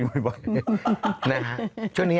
มาแทนม้าอ่านแม่